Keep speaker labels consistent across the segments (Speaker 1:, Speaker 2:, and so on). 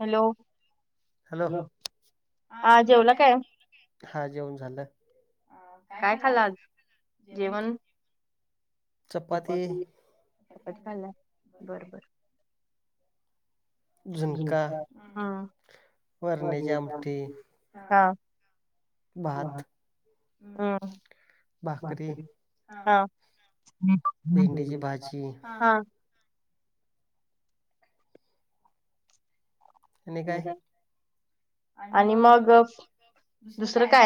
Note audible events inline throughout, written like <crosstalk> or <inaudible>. Speaker 1: Hello?
Speaker 2: Hello! हा जेवन झालं, हा काय खाल्ल आज?
Speaker 1: जेवण, चपाती, <unintelligible>
Speaker 2: झुणका, वरणीची आमठी. भात, भाकरी, भेंडीची भाजी, आणि काय,
Speaker 1: आणि मग,
Speaker 2: य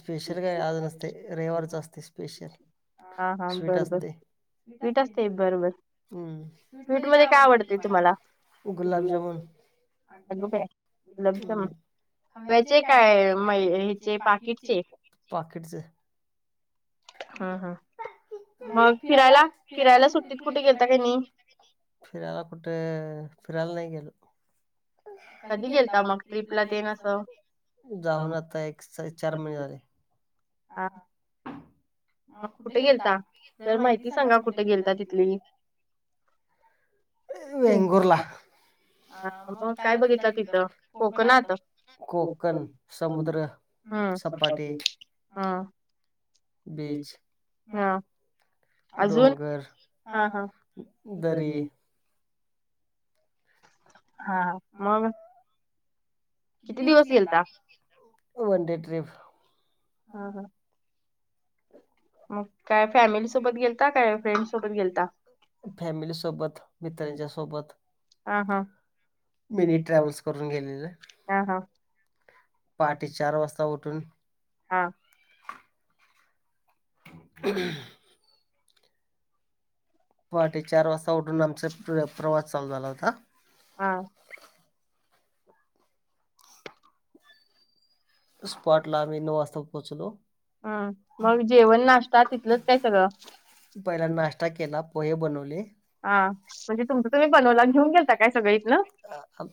Speaker 2: स्पेशल काय आज नसते, रविवारच असत. स्पेशल, स्वीट असतय. स्वीट असत्य बर, बर स्वीट मध्ये काय आवडतय तुम्हाला? गुलाबजमुन्, <unintelligible> पाकिटचे, पाकिटचे,
Speaker 1: हा, हा,
Speaker 2: फिरायला, फिरायला सुट्टीत, कुठे गेलात का नाही. फिरायला कुठे, फिरायला नाही गेलो. कधी गेलता मग, ट्ररीपला तेण असं, जाऊन आता, एक चार महिने झाले.
Speaker 1: हा,
Speaker 2: अ कुठे गेलता जर, माहिती सांगा कुठे घेलता तिथ. वेंगूरला, अ मग काय बघितलं तिथ, कोकणात कोकण समुद्र.
Speaker 1: हा हा,
Speaker 2: बीच, डोंगर, दरी,
Speaker 1: हा, हा मग,
Speaker 2: किती दिवस ग वनडे ट्रिप
Speaker 1: हम ह मग काय फॅमिली सोबत गेलता काय फ्रेंड् सोबत गेलता
Speaker 2: फॅमिली सोबत, मित्रांच्या सोबत,
Speaker 1: ह, हां,
Speaker 2: मिनी ट्रॅव्हल्स करून गेलेलं. पाट चार वाजता उठून
Speaker 1: हा
Speaker 2: ह पहाटे चार वाजता उठून आमचा प्रवास चालू झाला होता
Speaker 1: हा
Speaker 2: स्पॉट ला आम्ही नऊ वाजता पोहोचलो
Speaker 1: हम् मग जेवण नाश्ता तिथलंच काय सगळं
Speaker 2: पहिला नाश्ता केला पोहे बनवले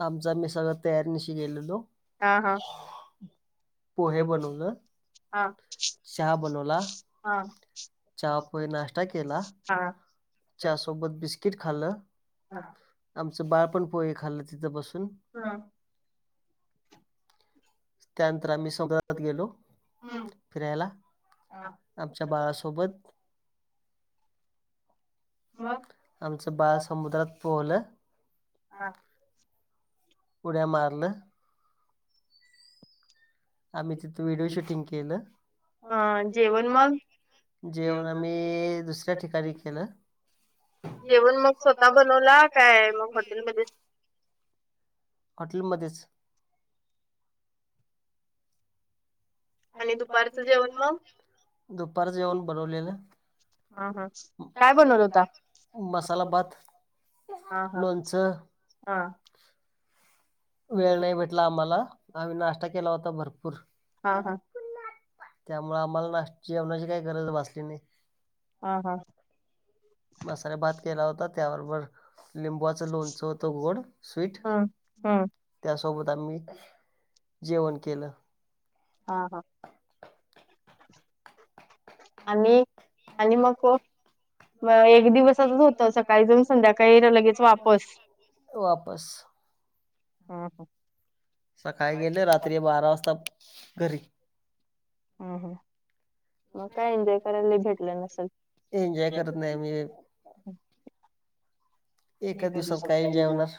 Speaker 2: आमचा मी सगळं तयारीणीशी गेलेलो
Speaker 1: हा हा
Speaker 2: पोहे बनवलं चहा बनवला
Speaker 1: हा
Speaker 2: सोबत बिस्किट खाल्ल आमचं बाळपण पोहे खाल्ल तिथं बसून
Speaker 1: हम्
Speaker 2: त्यानंतर आम्ही समुद्रात गेलो फिरायला आमच्या बाळासोबत आमचं बाळ समुद्रात पोहलं पुड्या मारलं आम्ही तिथे व्हिडिओ शूटिंग केलं जेव जेवण आम्ही दुसऱ्या ठिकाणी केलं
Speaker 1: जेवण मग स्वतः बनवला काय मग हॉटेलमध्येध्ये
Speaker 2: हॉटेलमध्येच आणि दुपारचेव दुपारच जेवण बनवलेलं काय ब हो मसाला भात लणच वेळ नाही भेटला आम्हाला आम्ही नाश्ता केला होता भरपूर
Speaker 1: हा हा
Speaker 2: त्यामु आम्हाला ना् जेवणाची काही गरज भासली नाही
Speaker 1: हा हा
Speaker 2: मसाले भात केला होता त्याबरोबर लिंबूचं लोणचं होतं गोड स्वीट
Speaker 1: हम हम्
Speaker 2: त्यासोबत आम्ही जेवण केलं
Speaker 1: हां हा आणि आणि मग म एक दिवसातच होतं सकाळी जाऊन संध्याकाळी
Speaker 2: वापस
Speaker 1: हा हा
Speaker 2: सकाळी गेले रात्री बारा वाजता घरी एन्जॉय करत नाही मी एका दिवसात काय एनजाय होणार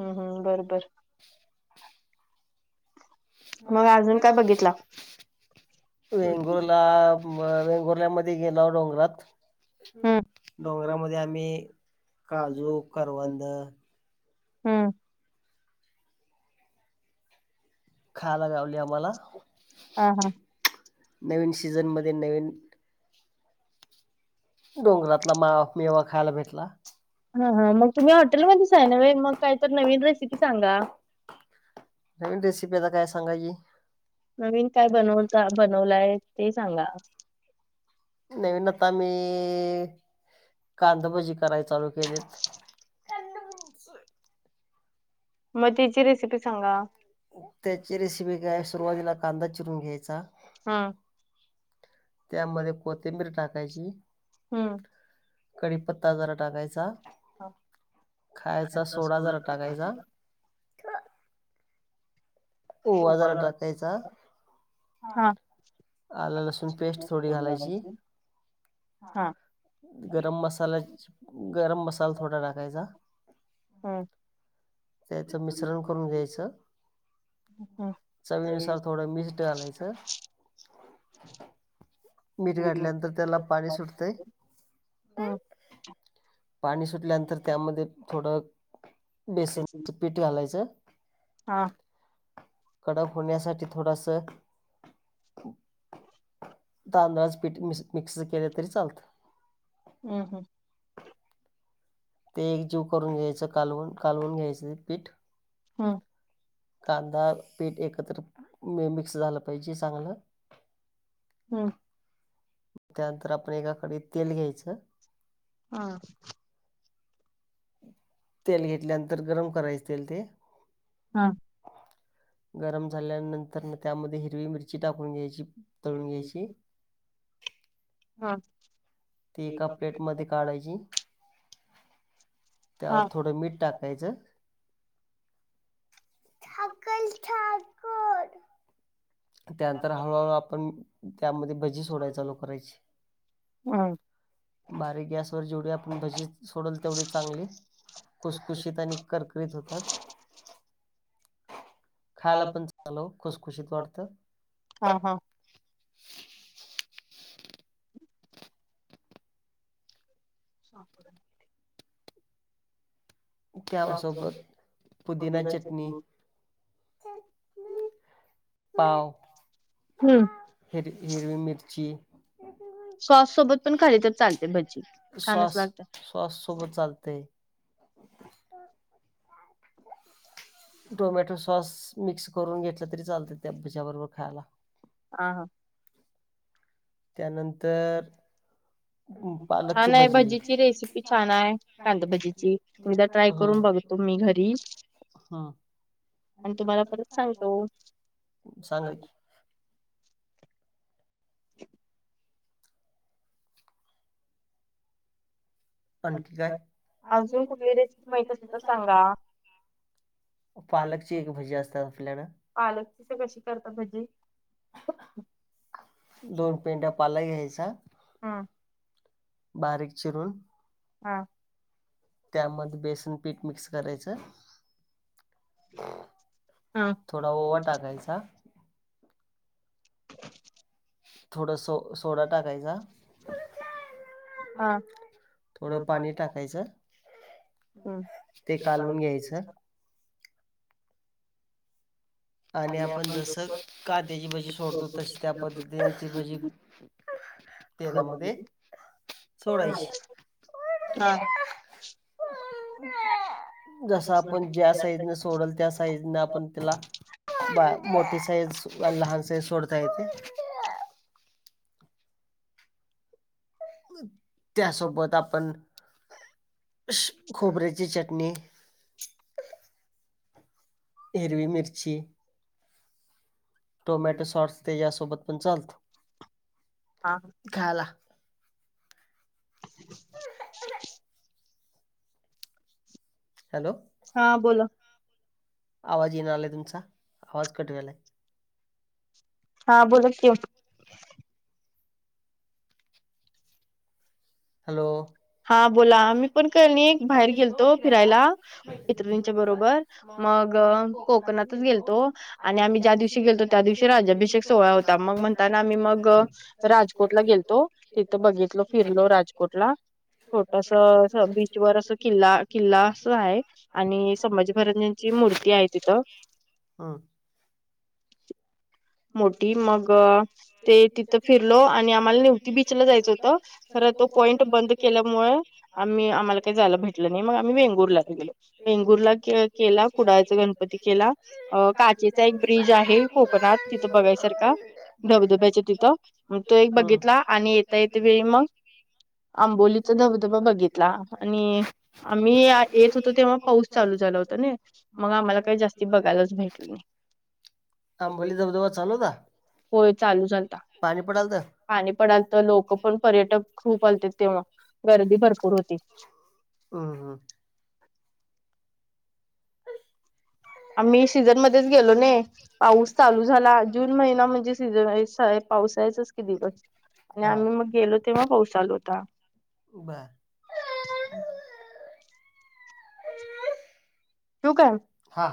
Speaker 1: हम्म हम् बरोबर
Speaker 2: वेंगोला म वेंगोर्ल्यामध्ये गेल डोंगरात डोंगरामध्ये आम्ही काजू करवंद
Speaker 1: हम्.
Speaker 2: खायला गावली आम्हाला.
Speaker 1: हा हां.
Speaker 2: नवीन सीझनमध्ये नवीन. डोंगरातला माफ मेवा खायला भेटला.
Speaker 1: हा हा मग तुम्ही हॉटेलमध्येध्येच आहे न मग काहीत नवीन रेसिपी सांगा.
Speaker 2: नवीन रेसिपी आता काय सांगायची.
Speaker 1: नवीन काय बनव बनवलाय ते सांगा.
Speaker 2: नवीन आता मी कांदबजी कराय चालू केलीत. त्याची रेसिपी काय सुरुवातीला कांदा चिरून घ्यायचा.
Speaker 1: हा.
Speaker 2: त्यामध्ये कोथिंबीर टाकायची कडीीपत्ता जरा टाकायचा खायचा सोडा जरा टाकायचा ह हो आजरा टाकायचा आलं लसूण पेस्ट थोडी घालायची गरम मसाला गरम मसाला थोडा टाकायचा
Speaker 1: हं
Speaker 2: त्याच मिश्रण करून घ्यायचं. चवीनुसार थोडं मिस् घालायचं. मीठ घाठल्यानंतर त्याला पाणी सुटतंय.
Speaker 1: हम.
Speaker 2: पाणी सुटल्यानंतर त्यामध्ये थोडं बेसनच पीठ घालायचं.
Speaker 1: हा.
Speaker 2: कडक होण्यासाठी थोडसं तांदळच पठ मिक्स केले तरीचालतं.
Speaker 1: हम् हम्
Speaker 2: ते एक जीव करून घ्यायचं कालवून कालवून घ्यायचं ते पीठ कांदा पीठ एकत्र मिक्स झालं पाहिजे चांगलं
Speaker 1: हम्म.
Speaker 2: मग त्यानंतर आपण एकाकडे तेल घ्यायचं.
Speaker 1: हा!
Speaker 2: तेल घेतल्यानंतर गरम करायचे ते ते
Speaker 1: हा.
Speaker 2: गरम झाल्यानंतर त्यामध्ये हिरवी मिरची टाकून घ्यायची. तरळून घ्यायची. त एका प्लेट मध्ये काढायची. त्यावर थोडं मीठ टाक कायचल ठाकर. त्यानंतर हळूहळू आपण त्यामध्ये भज ी सोडायचालू करायची. बारीक गॅसवर जेवढी आपण भजी सोडल तेवढी चांगली खुशखुशीत आणि करकरीत होतात
Speaker 1: हा हा. साांपड
Speaker 2: त्यासोबत पुदिना चटणी पाव हिर हिरवी मिर्ची शवास तुभ लत टोमॅटो सॉस मिक्स करून घेतला तरी चालतं त्या भज्या बरोबर खाला
Speaker 1: ह ह.
Speaker 2: त्यानंतर पालकची भजी
Speaker 1: एकदा ट्राय करून बघतो. मी घरी
Speaker 2: हम् सांगायची
Speaker 1: <unintelligible>
Speaker 2: आणखी काय अजून कुठली रेसिपी माहिती एका ते सांगा. पालकची एक भजी असतात. आपल्याला पालक ची भजी कशी करतात दोन पेंड पाला घ्यायचा.
Speaker 1: हा
Speaker 2: बारीक चिरून
Speaker 1: हा.
Speaker 2: त्यामध्ये बेसन पीठ मिक्स करायचं. थोडा ववा टाकायचा
Speaker 1: <unintelligible>
Speaker 2: थोडं सो सोडा टाकायचा. थोडं पाणी टाकायचं. ते कालवून घ्यायचं आणि आपण जस कद्याची भजी सोडतो. तशी त्या पद्धतीची भजी तेलामध्ये सोडायची जस आपण ज्या साइज न सोडल त्या साईज न आपण तिला बा मोठी साईज लहान साईज सोडता येते. त्यासोबत आपण खोबऱ्याची चटणी हिरवी मिर्ची टोमॅटो सॉस ते यासोबत पण चालत खाला.
Speaker 1: <unintelligible>
Speaker 2: हॅलो
Speaker 1: हा बोला
Speaker 2: आवाज येणार आलाय तुमचा आवाज कट व्हायला
Speaker 1: हा बोलत क हा बोला मी पण क नाही बाहेर गेलतो फिरायला मित्रणींच्या बरोबर मग कोकणातच गेलतो आणि आम्ही ज्या दिवशी गेलतो त्या दिवशी राजाभिषेक सोहळा होता. मग म ताना आम्ही मग राजकोटला गेलो तिथं बघितलो. फिरलो राजकोटला छोटस बीचवरर अस किल्ला किल्ला अस आहे. आणि संभाजी महाराजांची मूर्ती आहे तिथं
Speaker 2: हम
Speaker 1: मोठी मग ते तिथं फिरलो. आणि आम्हाला नवती बीचला जायचं होतं खरं तो पॉईंट बंद केल्यामुळे आम्ही आम्हाला काही जायला भेटलं नाही. मग आम्ही वेंगुरला गेलो. वेंगूरला केला कुडाळचा गणपती केला. अ काचेचा एक ब्रिज आहे कोकणात तिथं बघायसर का
Speaker 2: घ पाहिजे तु एक तला आणि य एकग <inaudible>
Speaker 1: आंबोलीचा धबधबा बघितला आणि आम्ही येत होतो तेव्हा पाऊस चालू झाला होता. न मग आम्हाला काही जास्त बघायलाच भेटल नाही.
Speaker 2: आम बोलली बधबा चालूता होय चालू झा पाणी पडाल तर पाणी पडाल तर लोक पण पर्यटक खूप
Speaker 1: गर्दी भरपूर होती.
Speaker 2: हं हां
Speaker 1: आम्ही सीझनमध्येध्येच गेलो नाही. पाऊस चालू झाला जून महिना म्हणजे सीझन आहे पावसायचच ती दिवस आणि आम्ही मग गेलो ते मग पाऊस चालू होता.
Speaker 2: बा.
Speaker 1: <inaudible>
Speaker 2: हा.